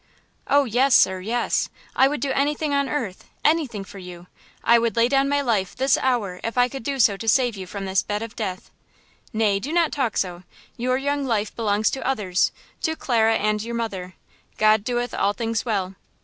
"Oh, yes, sir, yes; I would do anything on earth–anything for you! I would lay down my life this hour if I could do so to save you from this bed of death." "Nay, do not talk so; your young life belongs to others–to Clara and your mother. 'God doeth all things well.'